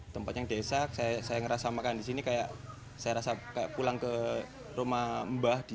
tempatnya yang desa saya ngerasa makan di sini kayak saya pulang ke rumah mbah di desa